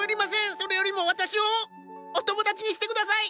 それよりも私をお友達にして下さい！